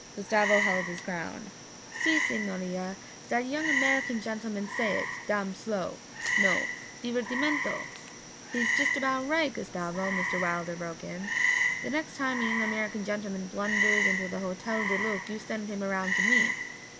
Gustavo held his ground. 'Si, signorina, zat yong American gentleman say it dam slow, no divertimento.' 'He's just about right, Gustavo,' Mr. Wilder broke in. 'The next time a young American gentleman blunders into the Hotel du Lac you send him around to me.'